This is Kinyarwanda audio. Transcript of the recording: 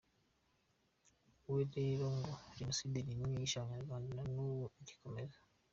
We rero ngo Genocide n’imwe yishe abanyarwanda na n’ubu igikomeza.